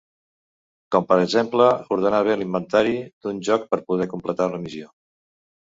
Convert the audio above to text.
Com per exemple ordenar bé l'inventari d'un joc per poder completar una missió.